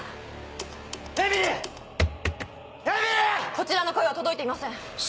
こちらの声は届いていません。